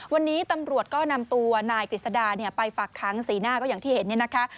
วันนี้ตำรวจก็นำตัวนายกฤษดาไปฝากค้างสีหน้าก็อย่างที่เห็นเนี่ยนะคะ